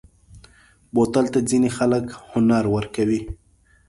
بوتل ته ځینې خلک هنر ورکوي.